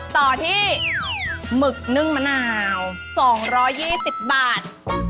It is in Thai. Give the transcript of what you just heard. ต่อที่หมึกนึ่งมะนาว๒๒๐บาท